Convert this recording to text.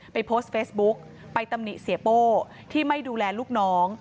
ไปโพสต์เฟซบุ๊กไปตำหนิเสียโป้ที่ไม่ดูแลลูกน้อง